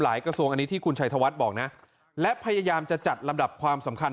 กระทรวงอันนี้ที่คุณชัยธวัฒน์บอกนะและพยายามจะจัดลำดับความสำคัญ